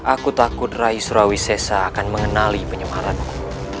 aku takut rai surawi sesa akan mengenali penyemaratku